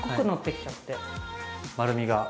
丸みが？